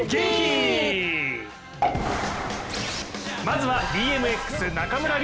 まずは、ＢＭＸ、中村輪